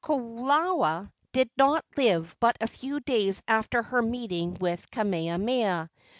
Kalola did not live but a few days after her meeting with Kamehameha.